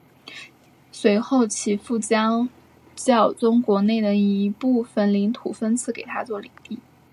随后其父将教宗国内的一部份领土分赐给他做领地。